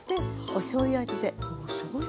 おしょうゆ味で？